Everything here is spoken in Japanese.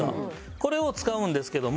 これを使うんですけども。